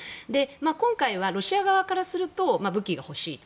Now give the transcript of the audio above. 今回はロシア側からすると武器が欲しいと。